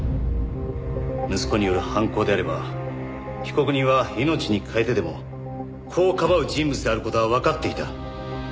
息子による犯行であれば被告人は命に代えてでも子をかばう人物である事はわかっていた。